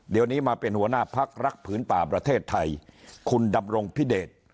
เดี๋ยวนี้มาเป็นหัวหน้าพักรักผืนป่าประเทศไทยคุณดำรงพิเดช